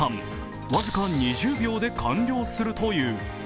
僅か２０秒で完了するという。